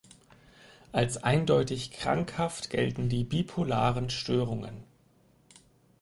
Als eindeutig krankhaft gelten die bipolaren Störungen.